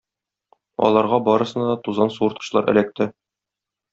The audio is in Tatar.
Аларга барысына да тузан суырткычлар эләкте.